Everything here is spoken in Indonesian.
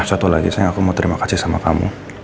satu lagi saya aku mau terima kasih sama kamu